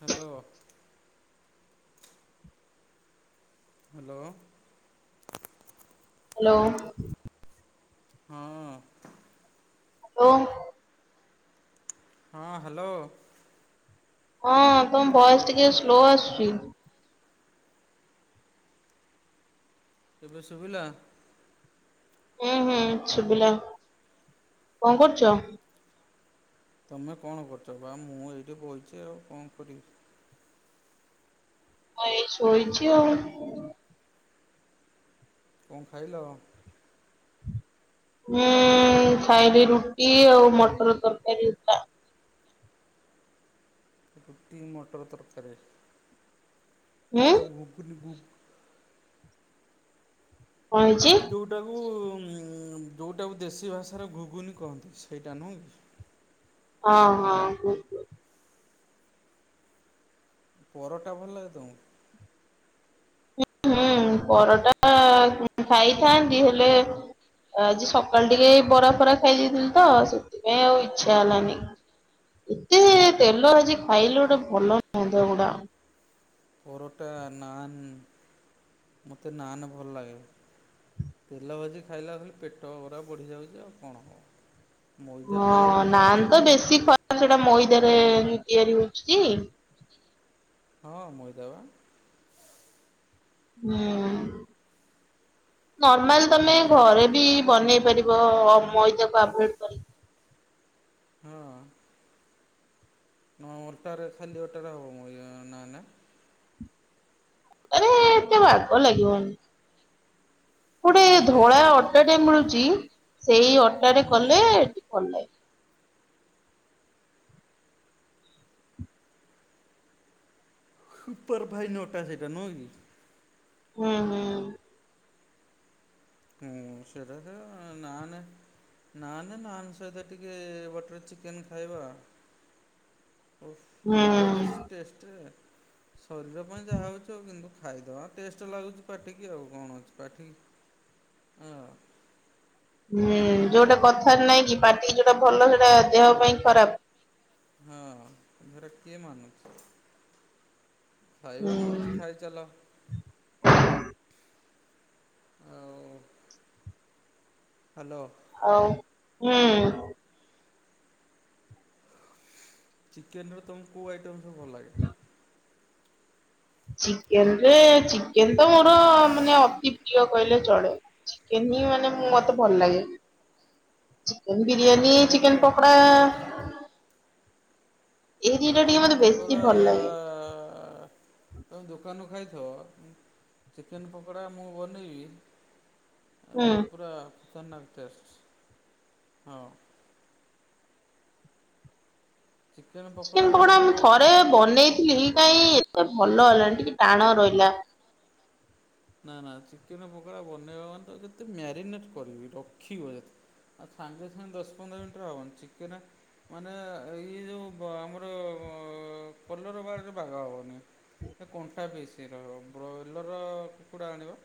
Hello. Hello. Hello. ହଁ। Hello. ହଁ hello. ହଁ ତମ ଶୁଭୁ ଭୟସ ଟିକେ ସ୍ଲୋ ଆସୁଛି। ଏବେ ଶୁଭିଲା? ହୁଁ-ହୁଁ ଶୁବିଲା। କଣ କରୁଚ? ତମେ କଣ କରୁଛ ବା ମୁଁ ଏଇଠି ବଇଚି ଆଉ କଣ କରିବି। ମୁଁ ଏଇ ଶୋଇଛି ଆଉ। କଣ ଖାଇଲ? ହଁ ଖାଇଲି ରୁଟି ଆଉ ମଟର ତରକାରୀ। ସେ ରୁଟି ମଟର ତରକାରୀ ହୁଁ ସେଗୁଟାକୁ ଘୁଗୁନି କୁହନ୍ତି। କଣ ହେଇଚି? ଟାକୁ ଯଉଟାକୁ ଦେଶୀ ଭାଷାରେ ଘୁଗୁନି କହନ୍ତି। ସେଇଟା ନୁହଁ କି। ହଁ ହଁ। ଘୁଗୁ କି ପରଟା ଭଲ ଲାଗେ ତମକୁ? ହୁଁ ପରଟା ଖାଇଥାନ୍ତି ହେଲେ ଆଜି ସକାଳେ ଟିକେ ବରା ଫରା ଖାଇଦେଇଥିଲି ତ, ସେଥିପାଇଁ ଆଉ ଇଚ୍ଛା ହେଲାନି। ଏତେ ତେଲ ଭାଜି ଖାଇଲେ ଗୋଟେ ଭଲ ନୁହଁ ସେଗୁଡା। ପରଟା, ନାନ୍, ମୋତେ ନାନ୍ ଭଲ ଲାଗେ। ତେଲ ଭାଜି ଖାଇଲା କୁ ଖାଲି ପେଟ ଅରା ବଢ଼ିଯାଉଚି ଆଉ କଣ। ମଇଦା ହଁ ଖାଇବାକୁ ଟେଷ୍ଟ ନାନ୍ ତ ବେଶୀ ଖରାପ ସେଟା ମଇଦାରେ ତିଆରି ହଉଚି ଯେ। ହଁ ମଇଦା ବା। ହୁଁ। ନର୍ମାଲ ତମେ ମଇଦା ଘରେ ବି ବନେଇ ପାରି ବ ମଇଦା କୁ ଆଭୟେଡ କରି। ହଁ। ହଁ ଅଟାରେ ଖାଲି ଅଟାରେ ହବ ମୋ ଇଏ ନାନ୍। ଆରେ ଏତେ ବାଗ ଲାଗିବନି। ଗୋଟେ ଧଳା ଅଟା ଟେ ମିଳୁଚି ସେଇ ଅଟା ରେ କଲେ ଭଲ ଲାଗିବ। ସୁପର୍ ଫାଇନ୍ ଅଟା ସେଇଟା ନୁହଁ କି? ହୁଁ ହୁଁ। ହୁଁ ସେରା ସେ ନାନେ ନାନ୍ ନାନ୍ ସହିତ ଟିକେ ବଟର୍ ଚିକେନ୍ ଖାଇବା। ହୁଁ। ଜବରଦସ୍ତ ଟେଷ୍ଟ। ଶରୀର ପାଇଁ ଯାହା ହଉଚି ହଉ। କିନ୍ତୁ ଖାଇଦବା ଟେଷ୍ଟ ଲାଗୁଚି ପାଟିକି ଆଉ କଣ ଅଛି। ପାଟିକି ହଁ। ହୁଁ ନୁହଁ କି ଯୋଉଟା କଥାରେ ନାଇଁ କି ପାଟିକି ଯୋଉଟା ଭଲ ସେଇଟା ଦେହ ପାଇଁ ଖରାପ୍। ହଁ। ହେରା କିଏ ମାନୁଚି। ଖାଇବା ମିଳୁଚି ହୁଁ ଖାଇ ଚାଲ। ଆଉ ହ୍ୟାଲୋ। ଆଉ ହୁଁ। ଚିକେନ୍ ର ତମକୁ କୋଉ ଆଇଟମ୍ ସବୁ ଭଲ ଲାଗେ? ଚିକେନ୍ ରେ ଚିକେନ୍ ତ ମୋର ମାନେ ଅତି ପ୍ରିୟ କହିଲେ ଚଳେ। ଚିକେନ୍ ହିଁ ମାନେ ହଁ ମୁଁ ହଁ ମତେ ଭଲ ଲାଗେ। ଚିକେନ୍ ବିରିୟାନୀ, ଚିକେନର ଚିକେନ୍ ପକୋଡ଼ା ଚିକେନ୍ ବେଶୀ ପକୋଡ଼ା ଭଲ ଲାଗେ। ଆ ତମେ ଦୋକାନରୁ ଖାଇଥିବ। ଚିକେନ୍ ପକୋଡ଼ା ମୁଁ ବନେଇବି ହୁଁ ଏ ପୁରା ଖତରନାକ୍ ଟେଷ୍ଟ। ହଁ। ଚିକେନ ପକୋଡ଼ା ଚିକେନ୍ ପକୋଡା ମୁଁ ବନେଇବ ଥରେ ମାନେ ବନେଇଥିଲି କାଇଁ ଏତେ ଭଲ ହେଲାନି ଟିକେ ଟାଣ ରହିଲା। ନା ନା ଚିକେନ ପକୋଡ଼ା ବନେଇବ ମାନେ ତ ଯେତେ ମ୍ୟାରିନେଟ୍ କରିକି ରଖିବ ଯେ ଆ ସାଙ୍ଗେ ସାଙ୍ଗେ ଦଶ ପନ୍ଦର ମିନିଟ୍ ରେ ହବନି। ଚିକେନ ମାନେ ଏଇ ଯଉ ବ ଆମର ପଲର ବାର୍ ରେ ବାଗ ହବନି। ସେ କଣ୍ଟା ପିସ୍ ରହିବ। ବ୍ରଏଲର କୁକୁଡ଼ା ଆଣିବ,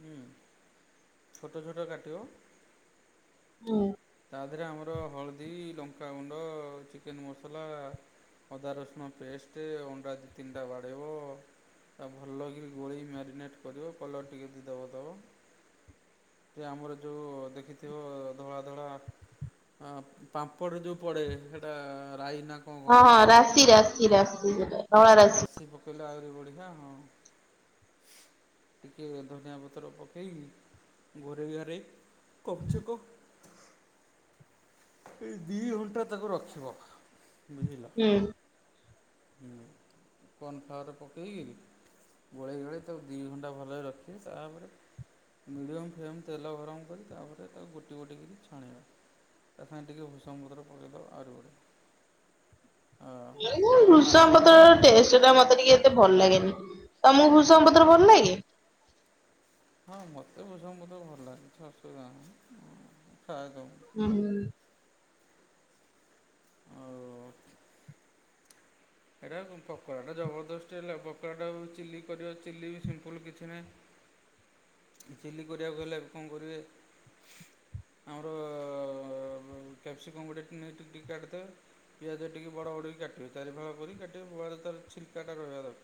ହୁଁ ଛୋଟ ଛୋଟ କାଟିବ [unintelligible] ତା ଦେହରେ ଆମର ହଳଦୀ, ଲଙ୍କାଗୁଣ୍ଡ, ଚିକେନ ମସଲା ଅଦା ରସୁଣ ପେଷ୍ଟ ଅଣ୍ଡା ଦୁଇ ତିନିଟା ବାଡ଼େଇବ। ତାକୁ ଭଲ କିରି ଗୋଳେଇ ମ୍ୟାରିନେଟ୍ କରିବ। କଲର୍ ଟିକେ ଯଦି ଦବ ଦବ। ସେ ଆମର ଯୋଉ ଦେଖିଥିବ ଧଳା ଧଳା ଅ ପାମ୍ପଡ଼ରେ ଯୋଉ ପଡେ ହେଟା ରାଇ ନା କଣ ହଁ କହନ୍ତି ହଁ ରାଶି ରାଶି ରାଶି ସେଟା। ରାଶି ପକେଇଲେ ଆହୁରି ବଢିଆ। ହଁ। ଟିକିଏ ଧନିଆ ପତ୍ର ପକେଇକି ଘୁରେଈ ଘାରେଈ କହୁଚୁ କ ଏଇ ଦି ଘଣ୍ଟା ତାକୁ ରଖିବ ବୁଝିଲ। ହୁଁ। ହୁଁ କନଫ୍ଲାଅର୍ ପକେଈକି ଗୋଳେଇ ଗୋଳେଇ ତାକୁ ଦୁଇ ଘଣ୍ଟା ଭଲରେ ରଖିବେ ତାପରେ ମିଡ଼ିୟମ୍ ଫ୍ଲେମ୍ ତେଲ ଗରମ କରି ତା ପରେ ତାକୁ ଗୋଟି ଗୋଟି କିରି ଛାଣିବା। ତା ସାଙ୍ଗରେ ଟିକେ ଭୂଷଘଂ ପତ୍ର ପକେଇଦବ ଆହୁରି ବଢ଼ିଆ। ହଁ କଳରା ନାଲି ଭୂଷଙ୍ଗ ହବା ପତ୍ର ଫ୍ରାଏ କରି ଟେଷ୍ଟ୍ ଟା ମତେ ଟିକେ କେ ଭଲ୍ ଲାଗେନି ତମୁକୁ ଭୁସଙ୍ଗ ପତ୍ର ଭଲ୍ ଲାଗେ? ହଁ ମତେ ଭୂଷଘଂ ପତ୍ର ଭଲ ଲାଗୁଛି ଅସୁବିଧା ନାହିଁ ଖାଏ ତାକୁ ଉଁ ହୁଁ। ଆଉ ଏଇଟା ପକଡ଼ାଟା ଜବରଦସ୍ ହେଲା ପକୋଡ଼ଟା ଚିଲି କରିବା ଚିଲି ବି ସିମ୍ପଲ୍ କିଛି ନାଇଁ। ଚିଲି କରିବାକୁ ହେଲେ କଁ କରିବେ ଆମର ଆଉ କ୍ୟାପସିକମ୍ ଗୋଟେ ଟିନା ନେଇ ଟିକ୍ ଟିକ୍ କରିଦେବେ ପିଆଜ ଟିକେ ବଡ଼ ବଡ଼ କି କାଟିବେ ଚାରିଫାଳ ରି କାଟିବା ତ ଛିଲ୍କା ଟା ରହିବା ଦର୍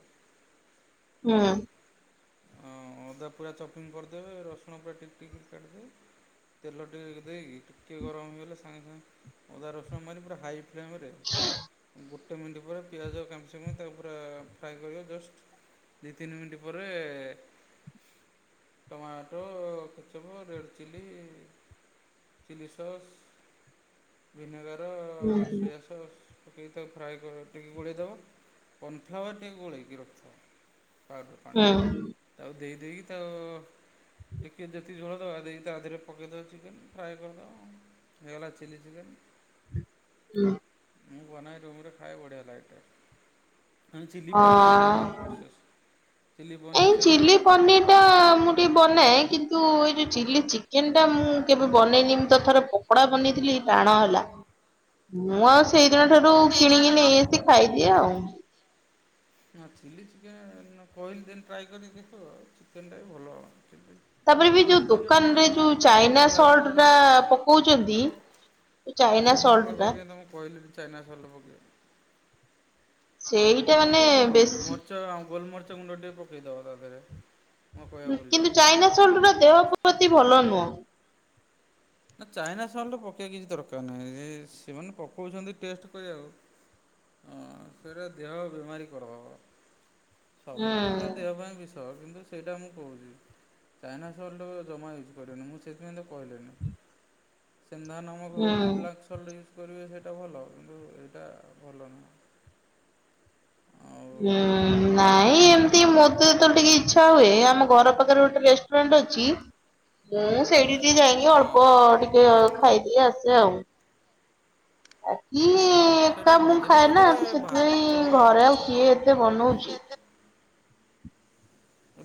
ହୁଁ। ହଁ ଅଦା ପୁରା ଚପିଙ୍ଗ୍ କରିଦେବେ ରସୁଣ ପୁରା ଟିକ୍ ଟିକ୍ କାଟିିଦେବେ। ତେଲ ଟିକେ ଦେଇକି ଟିକେ ଗରମ ହେଇଗଲେ ସାଙ୍ଗେ ସାଙ୍ଗେ ଅଦା ରସୁଣ ମାରି ପୁରା ହାଇ ଫ୍ଲେମ୍ ରେ ଗୋଟେ ମିନିଟ୍ ପରେ ପିଆଜ କାମିଶମ ତା ପୁରା ଫ୍ରାଏ କରିବା ଜଷ୍ଟ୍ ଦି ତିନି ମିନ୍ଟି ପରେ tomato ketchup red chilli chilli sauce vinegar ହୁଁ ସୁୟା ସସ୍ ପକେଇ ତା ଫ୍ରାଏ ଟ ଗୋଳେଇ ଦବ କନ୍ ଫ୍ଲାଅର ଟିକ ଗୋଳକି ରଖ ପାଉଡ଼ର ହୁଁ ହୁଁ ପାଣି ଆଉ ଦେଇ ଦେଇକି ତାକୁ ଚିକେନ୍ ଯେତିି ଝୋଳ ଦେବା ଦେଇ ତା ଦେହରେ ପକେଇଦବା ଚିକେନ୍ ଫ୍ରାଏ କରିଦବ ଆଉ। ହେଇଗଲା ଚିଲି ଚିକେନ୍ ହୁଁ। ମୁଁ ବନାଏ ରୁମରେ ଖାଏ ବଢିଆ ଲାଗେ ଟେଷ୍ଟ୍। ଚିଲି ପନିରି ବି ସେମ୍ ହଁ। ପ୍ରୋସେସ୍। ଚିଲ୍ଲି ପନିର ଏଇ ସେମିତି ଚିଲି ପନିର୍ ବନାଏ କିନ୍ତୁ ଏ ଯୋଉ ଚିଲି ଚିକେନ ଟା ମୁଁ କେବେ ବନେଇନି ମୁ ତ ଥରେ ପ କଡା ବନେଇଥିଲି ଟାଣ ହେଲା ମୁଁ ଆଉ ସେଇଦିନ ଠାରୁ ସେଇଦିନ କିଣିକିି ଠାରୁ ନେଇଆସି ଖାଇଦିଏ ଆଉ। ନା ଚିଲ୍ଲି ଚିକେନ୍ କହିଲି ଦିନ ଟ୍ରାଏ କରିକି ଦେଖିବ ଆଉ ଚିକେନ୍ ଟା ବି ଭଲ ତାପରେ ବି ଯୋଉ ଚିଲ୍ଲି ଚିକେନ୍ ଦୋକାନ୍ ରେ ସାଙ୍ଗରେ ନାନ୍ ଯୋଉ ଖାଇବ ଚାଇନା ବଢ଼ିଆ ଲାଗିବ ସଲ୍ଟ୍ ଟା ପୁରା ପକୋଉଚନ୍ତି ନା ମୁଁ ସେଇଥିି ପାଇଁ ତମକୁ କହିଲି ଚାଇନା ସଲ୍ଟ ପକେଇବି ସେ ସେଇଟା ମାନେ ପକୋଉଛନ୍ତି ବେଶୀ ମରିଚ୍ଚ ଆଉ ଗୋଲମର୍ଚ ଗୁଣ୍ଡ ଟିକେ ପକେଇଦବ ତା ଦେହେରେ। କିନ୍ତୁ ଚାଇନା ସଲ୍ଟ ଟା ଦେହ ପ୍ରତି ଭଲ ନୁହଁ। ନା ଚାଇନା ସଲ୍ଟ୍ ପକେଇବା କିଛି ଦରକାର ନାହିଁ ସେମାନେ ପକଉଛନ୍ତି ଟେଷ୍ଟ କରିବାକୁ। ହଁ ସେଇଟା ଦେହ ବିମାରୀ କରଦବ ସବୁ ହୁଁ ତ ସେ ଦେହ ପାଇଁ ବି ସ କିନ୍ତୁ ସେଇଟା ମୁଁ କୋହୁଚି ଚାଇନା ସଲ୍ଟ ଜମା ୟୁଜ୍ କରେନି ମୁଁ ସେଥିପାଇଁ ତ କହିଲିନି। ସେନ୍ଧା ନମକ ହେଉ କି ହୁଁ। ବ୍ଲାକ୍ ସଲ୍ଟ ୟୁଜ୍ କରିବେ ସେଇଟା ଭଲ କିନ୍ତୁ ଏଇଟା ଭଲ ନୁହେଁ। ହଁ ନାଇଁ ଏମିତି ମୋତେ ତ ଟିକେ ଇଚ୍ଛା ହୁଏ ଆମ ଘର ପାଖରେ ଗୋଟେ ରେଷ୍ଟୁରାଣ୍ଟ୍ ଅଛି। ମୁଁ ସେଇଠି ଟିକେ ଯାଇକି ହଁ। ଅଳ୍ପ ଟିକେ ଖାଇଦିଏ ଆସେ ଆଉ। ଆକି ସେଇଟା ଏକା ମୁଁ ମଝିରେ ଖାଏ ନା ମଝିରେ ତ ସେଥିପାଇଁ ଭାତ ଘରେ ଆଉ କିଏ ଏତେ ବନଉଛି।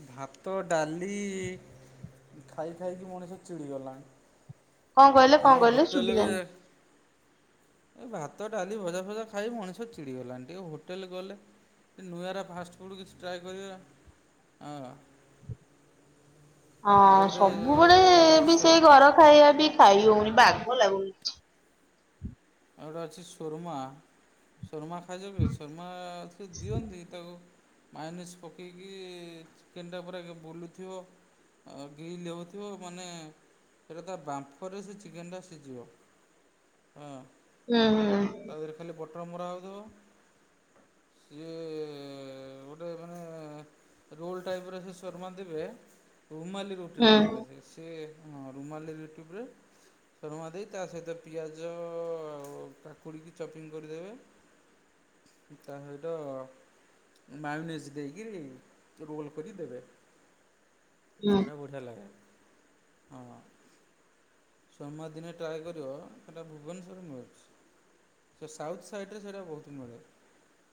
ଭାତ ଡାଲି ଖାଇ ଖାଇକି ମଣିଷ ଚିଡ଼ିଗଲାଣି। କଣ କହିଲେ କଣ ନୋ କହିଲେ ହୋଟେଲ ଶୁଭିଲାନି। ରେ ଏ ଭାତ ଡାଲି ଭଜା ଫଜା ଖାଇ ମଣିଷ ଚିଡ଼ିଗଲାଣି ଟିକେ ହୋଟେଲ ଗଲେ ନୂଆରା ଫାଷ୍ଟଫୁଡ଼ କିଛି ଟ୍ରାଏ କରିବା ହଁ। [inaudible] ହଁ ସବୁବେଳେ ବି ଗୋଟେ ସେଇ ଘର ଖାଇବା ବି ଖାଇ ହଉନି ବାଗ ଲାଗୁନି କିଛି। ଆଉ ଗୋଟେ ଅଛି ସୁର୍ମା। ସୂର୍ମା ଖାଇଜ କେବେ ସୁର୍ମା ସେ ଦିଅନ୍ତି ତାକୁ ମାଇନିସ୍ ପକେଇକି ଚିକେନ୍ଟା ପୁରା ବୁଲୁଥିବ। ଆ ଗିଲ ଲେଉଥିବ ମାନେ ସେଟା ତା ବାମ୍ଫରେ ସେ ଚିକେନ ଟା ସିଝିବ ହଁ। ହୁଁ ହୁଁ। ତା ଦେହରେ ଖାଲି ବଟର ମରା ହେଉଥିବ। ସିଏ ଗୋଟେ ମାନେ ରୋଲ ଟାଇପରେ ସେ ଶର୍ମା ଦେବେ ରୁମାଲି ରୁଟିରେ ହୁଁ ଦେବେ ସେ। ଟିକେ ହଁ ରୁମାଲି ରୋଟି ପରେ ଶୂର୍ମା ଦେଇ ତା ସହିତ ପିଆଜ ଅ ଆଉ କାକୁଡ଼ିକି ଚପିଙ୍ଗ କରିଦେବେ ତା ସହିତ ମାଇନିସ ଦେଇକିରି ରୋଲ୍ କରିଦେବେ। ହୁଁ ହେରା ବଢ଼ିଆଁ ଲାଗେ। ହଁ ସୋମାର ଦିନେ ଟ୍ରାଏ କରିବ ସେଟା ଭୁବନେଶ୍ୱରରେ ମିଳୁଚି। ସେ ସାଉଥ୍ ସାଇଡ଼ରେ ସେଇଟା ବହୁତ ମିଳେ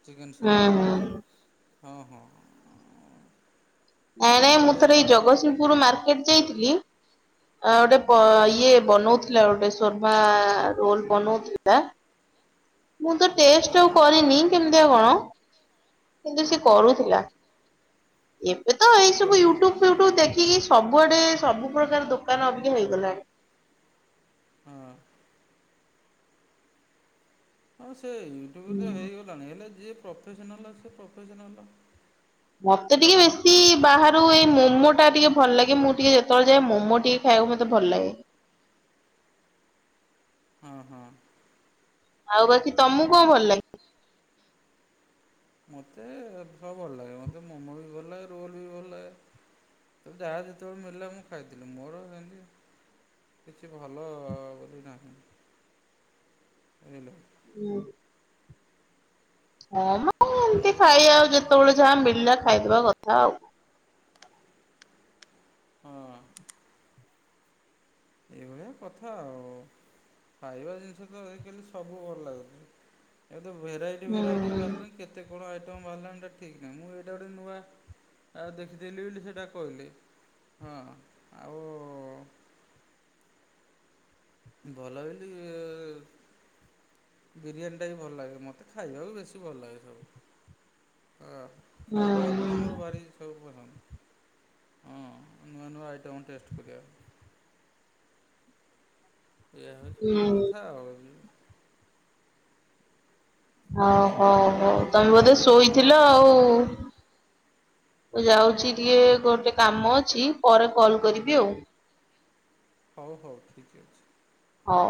ଚିକେନ ହୁଁ ଶର୍ମା। ହୁଁ। ହଁ ହଁ। ନାଇଁ ନାଇଁ ମୁଁ ବଢ଼ିଆ ଥରେ ଏଇ ଲାଗେ ଜଗତସିଂହପୁର ମାର୍କେଟ ଯାଇଥିଲି ଗୋଟେ ହଁ। ଇଏ ବନଉଥିଲା ଗୋଟେ ଶର୍ମା ରୋଲ ବନଉଥିଲା। ମୁଁ ତ ଟେଷ୍ଟ ଆଉ ହଁ କରିନି କେମିତିଆଉ କଣ କିନ୍ତୁ ସେ କରୁଥିଲା। ଏବେ ତ ଏଇ ସବୁ ଶର୍ମା ୟୁଟ୍ୟୁବ ଫୁଟ୍ୟୁବ ଦେଖିକି ସବୁଆଡେ ସବୁ ପ୍ରକାର ଦୋକାନ ଅବିକା ହେଇଗଲାଣି। ହଁ। ହଁ ସେ ୟୁଟ୍ୟୁବରେ ହେଇଗଲାଣି ହେଲେ ଯିଏ ପ୍ରଫେସନାଲ୍ ସିଏ ପ୍ରଫେସନାଲ୍। ମତେ ଟିକେ ବେଶୀ ବାହାରୁ ଏଇ ମୋମୋ ଟା ଟିକେ ଭଲ ଲାଗେ ମୁଁ ଟିକେ ଯେତେବେଳେଜାଏ ମମୋ ଟିକେ ଖାଇବାକୁ ମତେ ଭଲ ଲାଗେ। ହଁ ହଁ। ଆଉ ବାକି ତମକୁ କଣ ଭଲ ଲାଗେ? ମୋତେ ସବୁ ଭଲ ଲାଗେ ମୋତେ ମୋମୋ ବି ଭଲ ଲାଗେ ରୋଲ୍ ବି ଭଲ ଲାଗେ। ତ ଯାହା ଯେତେବେଳେ ମିଳିଲା ମୁଁ ଖାଇଦେଲି ମୋର ସେମିତି କିଛି ଭଲ ବୁଦ୍ଧି ନାହିଁ ଏଇନା। ହୁଁ। ହଁ ମ ଏମିତି ତେଣୁ ତ ଖାଇବା ମୁଁ ଆଉ ଯେତେବେଳେ ଯାହା ମିଳିଲା ଖାଇଦବା କଥା ଆଉ। [inaudible] ହଁ। ଏଇଭଳିଆ କଥା ଆଉ। ଖାଇବା ଜିନିଷ ତ ଆଜିକାଲି ସବୁ ଭଲ ଲାଗୁଛି। ଏ ତ ଭେରାଇଟି ହୁଁ ଭେରାଇଟି ବାହାରିଲାଣି କେତେ କଣ ଆଇଟମ୍ ବାହାରିଲାଣି ଏଟା ଠିକ୍ ନାହିଁ ମୁଁ ଏଇଟା ଗୋଟେ ନୂଆ ଆଉ ଦେଖିଥିଲିି ବୋଲି ସେଇଟା କହିଲେ ହଁ ଆଉ ଭଲ ବୋଲି ଏ ବିରିୟାନୀଟା ବି ଭଲ ଲାଗେ ମୋତେ ଖାଇବାକୁ ବେଶୀ ଭଲ ଲାଗେ ସବୁ। ହ ହୁଁ ଖାଇବା ଉପରେ ମୋର ଭାରି ସବୁ ପସନ୍ଦ ହଁ ନୂଆ ନୂଆ ଆଇଟମ୍ ଟେଷ୍ଟ କରିବା। ଏଇଆ ହଉଛି ହୁଁ। କଥା ଆଉ। ଓ ମୋତେ ହୋ ଯାହା ହଉ ଭଲ ତମେ ଲାଗେ ବୋଧେ ତମକୁ ଭଲ ଲାଗିବନି ଶୋଇଥିଲ ଆଉ। ତମକୁ ଯାହା ମୁଁ ଯାଉଛି ଟିକେ ଗୋଟେ କାମ ଅଛି ପରେ କଲ କରିବି ଆଉ। ହଉ ହଉ ଠିକ ଅଛି। ହଉ।